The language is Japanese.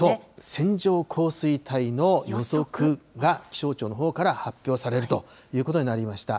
線状降水帯の予測が気象庁のほうから発表されるということになりました。